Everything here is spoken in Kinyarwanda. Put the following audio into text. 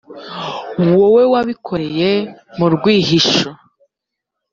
wowe wabikoreye mu rwihisho